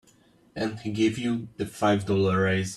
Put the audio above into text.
And he gave you that five dollar raise.